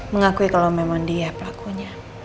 mengakui kalau memang dia pelakunya